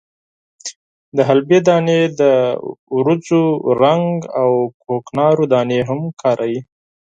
د حلبې دانې، د وریجو رنګ او د کوکنارو دانې هم کاروي.